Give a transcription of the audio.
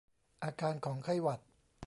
อาการของไข้หวัด